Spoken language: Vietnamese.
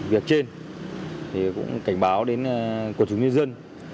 việc trên cũng cảnh báo đến quận chủ nhân dân